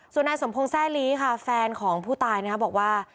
ส่วนหน้าสมพงษ์แซ่ลีค่ะแฟนของผู้ตายบอกว่า